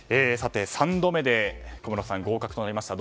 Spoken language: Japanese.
３度目で小室さん合格となりました。